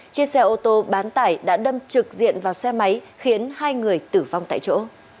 chiếc xe ô tô bán tải đã đâm trực diện vào xe máy khiến hai người tử vong tại chỗ